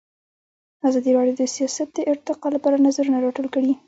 ازادي راډیو د سیاست د ارتقا لپاره نظرونه راټول کړي.